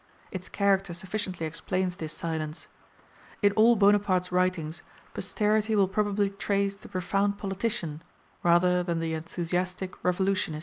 Its character sufficiently explains this silence. In all Bonaparte's writings posterity will probably trace the profound politician rather than the enthusiastic revolutionist.